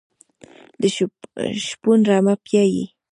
شپون رمه پیایي .